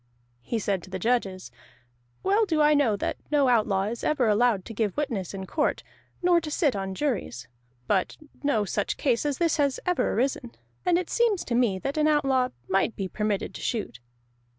He said to the judges: "Well do I know that no outlaw is ever allowed to give witness in court, nor to sit on juries. But no such case as this has ever arisen, and it seems to me that an outlaw might be permitted to shoot."